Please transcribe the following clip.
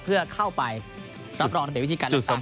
เพื่อเข้าไปรับรองระเบียบวิธีการเลือกตั้ง